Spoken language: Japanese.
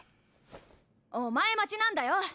お前待ちなんだよ。